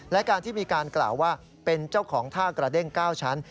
และการที่มีการกล่าวว่าเป็นเจ้าของท่ากระเด้ง๙ชั้น